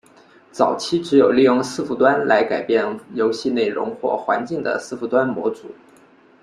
早期只有利用伺服端来改变游戏内容或环境的伺服端模组。